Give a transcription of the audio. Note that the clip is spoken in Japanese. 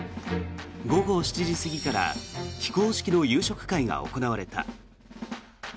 午後７時過ぎから非公式の夕食会が行われた。